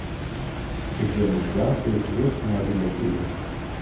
Ik wil nu graag weer terug naar de notulen.